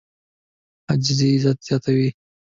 عاجزي عزت زیاتوي.